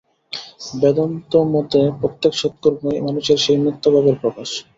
বেদান্তমতে প্রত্যেক সৎকর্মই মানুষের সেই মুক্তভাবের প্রকাশ।